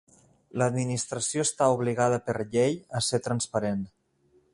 L'Administració està obligada per llei a ser transparent.